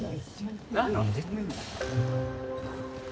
何で？